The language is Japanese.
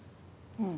うん。